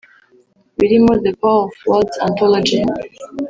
birimo The Power Of Words Anthology